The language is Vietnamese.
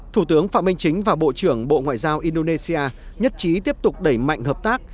thủ tướng phạm minh chính và bộ trưởng bộ ngoại giao indonesia nhất trí tiếp tục đẩy mạnh hợp tác